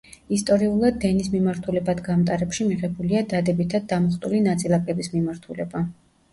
ისტორიულად დენის მიმართულებად გამტარებში მიღებულია დადებითად დამუხტული ნაწილაკების მიმართულება.